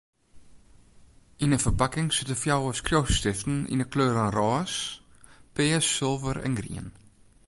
Yn in ferpakking sitte fjouwer skriuwstiften yn 'e kleuren rôs, pears, sulver en grien.